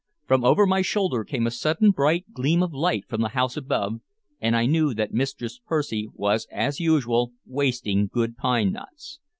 From over my shoulder came a sudden bright gleam of light from the house above, and I knew that Mistress Percy was as usual wasting good pine knots.